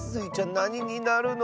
なにになるの？